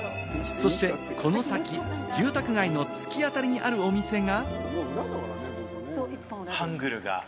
そしてこの先、住宅街の突き当たりにあるお店が。